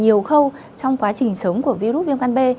nhiều khâu trong quá trình sống của virus viêm gan b